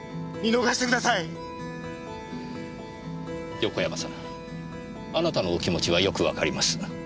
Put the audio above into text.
横山さんあなたのお気持ちはよくわかります。